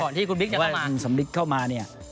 ก่อนที่คุณบิ๊กจะเข้ามา